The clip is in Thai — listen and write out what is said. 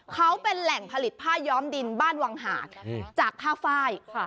เขาเป็นแหล่งผลิตผ้าย้อมดินบ้านวังหาดจากค่าไฟ